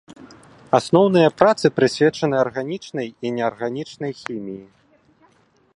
Асноўныя працы прысвечаны арганічнай і неарганічнай хіміі.